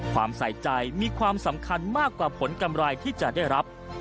ใส่ใจมีความสำคัญมากกว่าผลกำไรที่จะได้รับ